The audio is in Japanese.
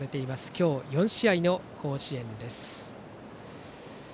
今日、４試合の甲子園です。